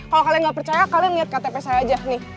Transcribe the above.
kalau kalian nggak percaya kalian lihat ktp saya aja nih